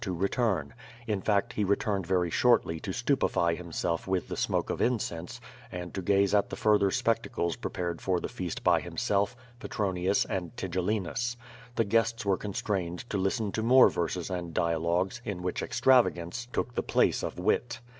to return. In fact he QUO VADIS. 67 returned very shortly to stupify himself with the smoke of incense and to gaze at the further spectacles prepared for the feast by himself, Petronius, and Tigellinus. The guests were constrained to listen to more verses and dialogues in whicli extravagance took the place of wit.